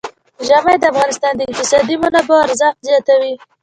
ژمی د افغانستان د اقتصادي منابعو ارزښت زیاتوي.